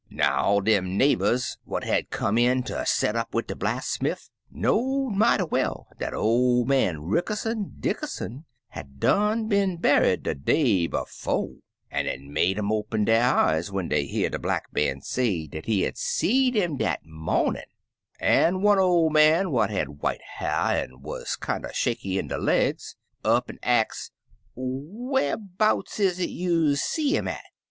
"Now, all dem neighbors what had come in ter set up wid de blacksmiff know'd mighty well dat ol' man Rickerson Dicker son had done been buried de day befo', an' 42 Impty Umpty it make um open der eyes when dey hear dc Black Man say dat he had seed 'im dat momin' ; an' one ol' man, what had white ha'r, an* wuz kinder shaky in de legs, up an* ax, *Whar 'bouts is it you see 'im at?'